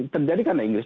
terjadi karena inggris